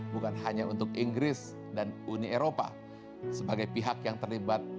bukan hanya untuk inggris dan uni eropa sebagai pihak yang berpengaruh di negara ini tapi juga